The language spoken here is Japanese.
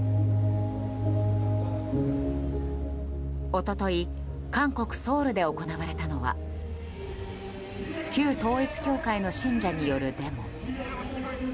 一昨日韓国ソウルで行われたのは旧統一教会の信者によるデモ。